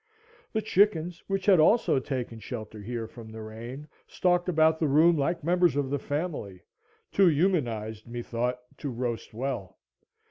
The chickens, which had also taken shelter here from the rain, stalked about the room like members of the family, too humanized methought to roast well.